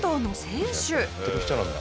やっぱやってる人なんだ。